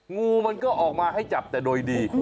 งูมันก็ออกมาให้จับแต่โดยดี